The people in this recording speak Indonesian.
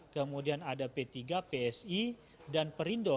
kemudian ada p tiga psi dan perindo